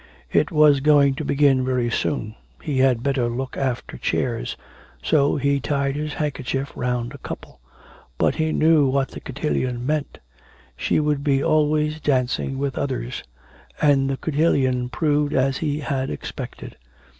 It was going to begin very soon. He had better look after chairs. So he tied his handkerchief round a couple. But he knew what the cotillion meant. She would be always dancing with others. And the cotillion proved as he had expected.